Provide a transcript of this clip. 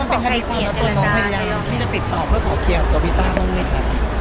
มันเป็นคาดิศส่วนละตัวของความผิดยังที่จะติดต่อเพื่อขอเคลียร์กับวิธารุงไงคะ